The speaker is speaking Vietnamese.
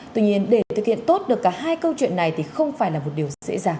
tuy nhiên để thực hiện tốt được cả hai câu chuyện này thì không phải là một điều dễ dàng